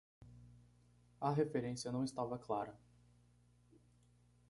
A referência não estava clara